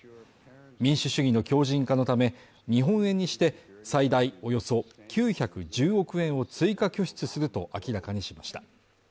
民主主義の強靭化のため日本円にして最大およそ９１０億円を追加拠出すると明らかにしました。